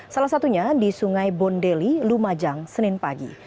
salah satunya di sungai bondeli lumajang senin pagi